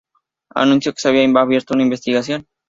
Anunció que se había abierto una investigación.